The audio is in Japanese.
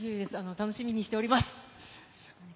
楽しみにしております。